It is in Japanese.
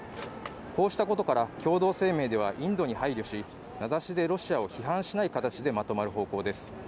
こうしたことから共同声明ではインドに配慮し名指しでロシアを批判しない形でまとまる方向です。